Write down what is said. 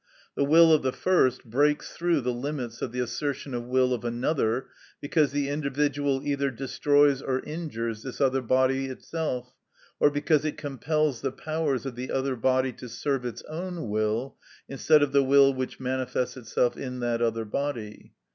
The will of the first breaks through the limits of the assertion of will of another, because the individual either destroys or injures this other body itself, or else because it compels the powers of the other body to serve its own will, instead of the will which manifests itself in that other body.